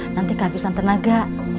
nanti kehabisan tenaga